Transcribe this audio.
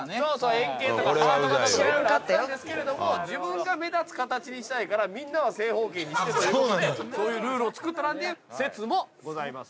円形とかハート形とかいろいろあったんですけれども自分が目立つ形にしたいからみんなは正方形にしてという事でそういうルールを作ったなんていう説もございます。